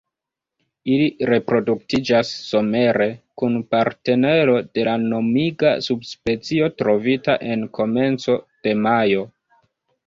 Ili reproduktiĝas somere, kun partnero de la nomiga subspecio trovita en komenco de majo.